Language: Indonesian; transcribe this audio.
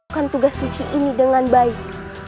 lakukan tugas suci ini dengan baik